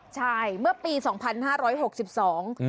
ใช่เมื่อปีสองพันห้าร้อยหกสิบสอง